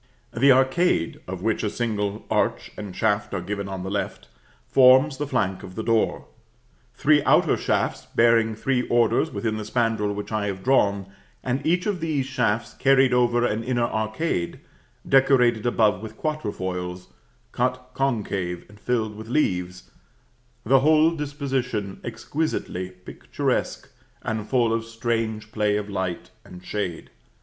The arcade, of which a single arch and shaft are given on the left, forms the flank of the door; three outer shafts bearing three orders within the spandril which I have drawn, and each of these shafts carried over an inner arcade, decorated above with quatre foils, cut concave and filled with leaves, the whole disposition exquisitely picturesque and full of strange play of light and shade.